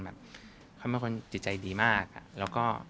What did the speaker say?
น่าจะดีมากต่อ